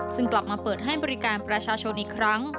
ซึ่งกลับมาเปิดให้บริการประชาชนอีกครั้ง